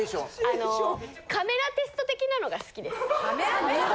あのカメラテスト的なのが好きです。